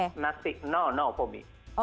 tidak tidak untuk saya